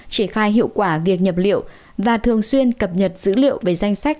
triển khai hiệu quả việc nhập liệu và thường xuyên cập nhật dữ liệu về danh sách